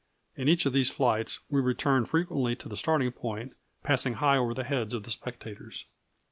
In each of these flights we returned frequently to the starting point, passing high over the heads of the spectators."